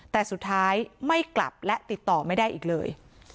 แต่สุดท้ายไม่กลับและติดต่อไม่ได้อีกเลย